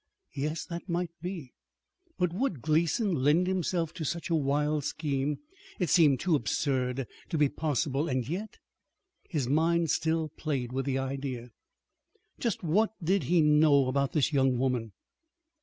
Yes, that might be. But would Gleason lend himself to such a wild scheme? It seemed too absurd to be possible. And yet His mind still played with the idea. Just what did he know about this young woman?